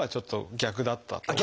逆だった？